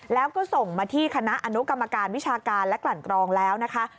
แล้วก็ส่งมาที่คณะอนุกรรมการวิชาการและกลั่นกรองแล้วนะคะ